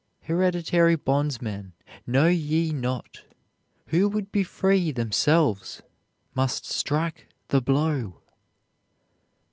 Hereditary bondsmen, know ye not Who would be free themselves must strike the blow?